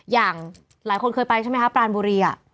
อย่างหลายคนเคยไปใช่ไหมคะปรานบุรี